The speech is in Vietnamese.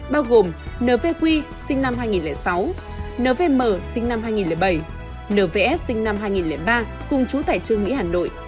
bao gồm nvq sinh năm hai nghìn sáu nvm sinh năm hai nghìn bảy nvs sinh năm hai nghìn ba cùng chú tài trương mỹ hà nội